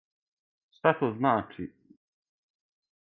Шта то значи?